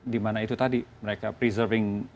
dimana itu tadi mereka preserving